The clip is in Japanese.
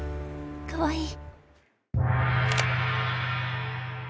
かわいい。